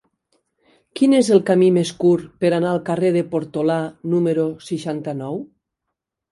Quin és el camí més curt per anar al carrer de Portolà número seixanta-nou?